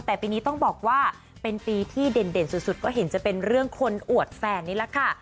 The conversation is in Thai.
แต่ปีนี้ต้องบอกว่าเป็นปีที่เด่นสุดก็เห็นจะเป็นเรื่องคนอวดแฟนนี่แหละค่ะ